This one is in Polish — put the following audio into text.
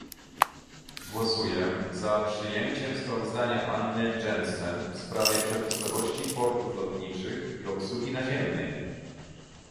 Głosuję za przyjęciem sprawozdania Anny Jensen w sprawie przepustowości portów lotniczych i obsługi naziemnej